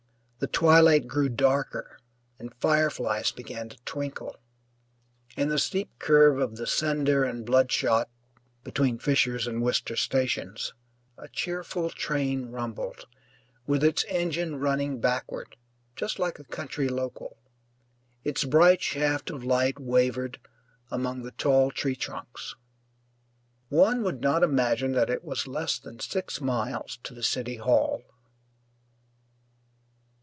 The twilight grew darker and fireflies began to twinkle. In the steep curve of the Cinder and Bloodshot (between Fisher's and Wister stations) a cheerful train rumbled, with its engine running backward just like a country local. Its bright shaft of light wavered among the tall tree trunks. One would not imagine that it was less than six miles to the City Hall.